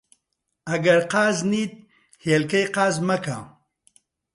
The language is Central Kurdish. ئەگەر قازنیت، هێلکەی قاز مەکە